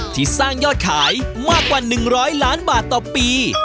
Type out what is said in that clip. ที่สร้างยอดขายมากกว่า๑๐๐ล้านบาทต่อปี